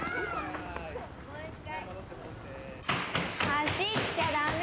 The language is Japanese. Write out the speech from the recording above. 走っちゃダメ。